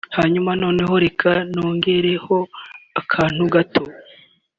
Hanyuma noneho reka nongereho akantu gato